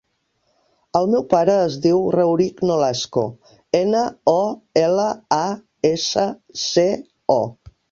El meu pare es diu Rauric Nolasco: ena, o, ela, a, essa, ce, o.